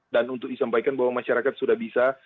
dan untuk disampaikan bahwa masyarakat sudah bisa